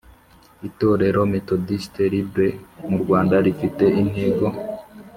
Itorero M thodiste Libre mu Rwanda rifite intego